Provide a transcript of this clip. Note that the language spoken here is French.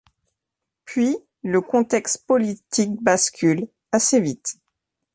Puis le contexte politique bascule assez vite.